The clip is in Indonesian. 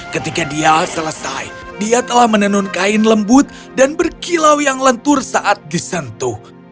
ketika dia selesai dia telah menenun kain lembut dan berkilau yang lentur saat disentuh